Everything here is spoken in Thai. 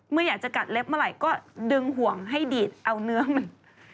อยากจะกัดเล็บเมื่อไหร่ก็ดึงห่วงให้ดีดเอาเนื้อมัน